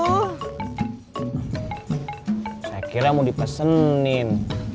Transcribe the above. saya kira mau dipesenin